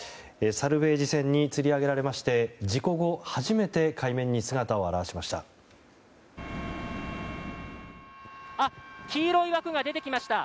サルベージ船につり上げられまして事故後初めて海面に姿を現しました。